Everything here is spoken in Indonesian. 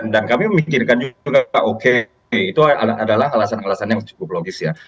dan kami memikirkan juga oke itu adalah alasan alasan yang cukup logis ya